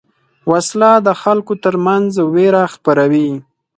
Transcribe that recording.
وسله د خلکو تر منځ وېره خپروي